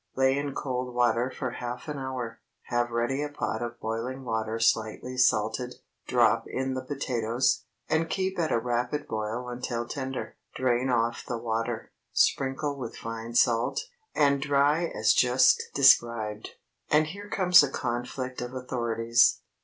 Lay in cold water for half an hour, have ready a pot of boiling water slightly salted, drop in the potatoes, and keep at a rapid boil until tender. Drain off the water, sprinkle with fine salt, and dry as just described. And here comes a conflict of authorities.